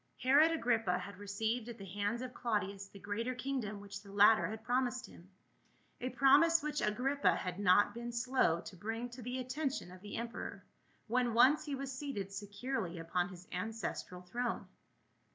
HEROD AGRIPPA had received at the hands of Claudius the greater kingdom which the latter had promised him, a promise which Agrippa had not been slow to bring to the attention of the emperor, when once he was seated securely upon his ancestral throne.